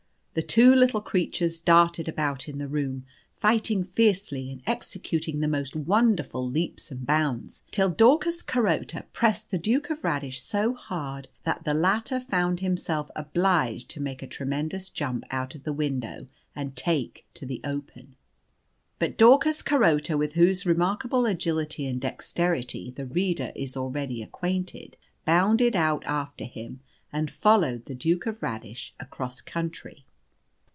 The two little creatures darted about in the room, fighting fiercely, and executing the most wonderful leaps and bounds, till Daucus Carota pressed the Duke of Radish so hard that the latter found himself obliged to make a tremendous jump out of the window and take to the open. But Daucus Carota with whose remarkable agility and dexterity the reader is already acquainted bounded out after him, and followed the Duke of Radish across country.